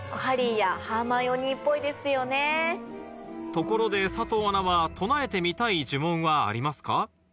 ところで佐藤アナは唱えてみたい呪文はありますか？